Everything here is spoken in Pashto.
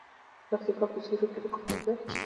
د پکتیکا په زیروک کې د کرومایټ نښې شته.